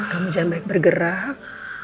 kamu jangan baik bergerak